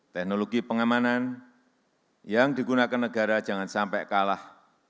teknologi pengamanan yang digunakan negara jangan sampai kalah